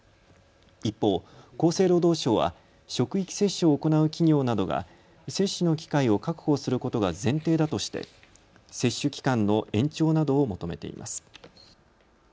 一方、厚生労働省は職域接種を行う企業などが接種の機会を確保することが前提だとして接種期間の延長などを求めています。